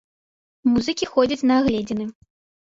Музыкі ходзяць на агледзіны.